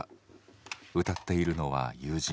歌っているのは友人。